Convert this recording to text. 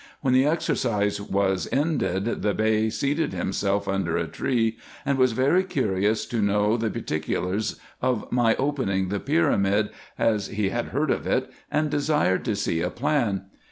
When the exercise was ended, the Bey seated himself under a tree, and was very curious to know the particulars of my opening the pyramid, as he had heard of it, and desired to see a plan.